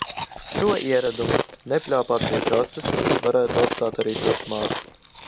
Šo ieradumu – nepļāpāt pie kases - varētu atstāt arī turpmāk.